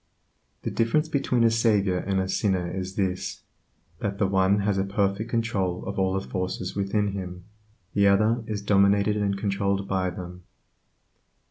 The difference between a savior and a sinner is this, that the one has a perfect control of all the forces within him; the other is dominated and controlled by them.